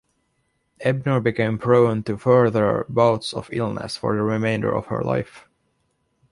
Ebner became prone to further bouts of illness for the remainder of her life.